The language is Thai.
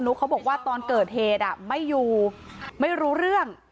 วเซนุกเขาบอกว่าตอนเกิดเหตุไม่รู้เรื่อง